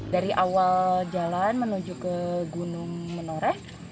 dari awal jalan menuju ke gunung menoreh